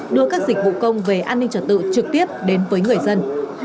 đưa các dịch vụ công về an ninh trật tự trực tiếp đến với người dân